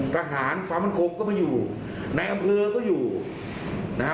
ทหารความมั่นคงก็ไม่อยู่ในอำเภอก็อยู่นะฮะ